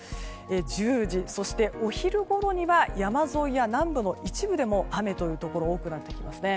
１０時、お昼ごろには山沿いや南部の一部でも雨というところが多くなってきます。